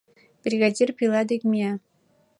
Бригадир пила дек мия.